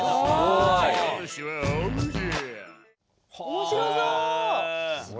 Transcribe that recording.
面白そう！